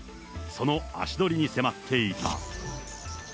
その足取りに迫っていた。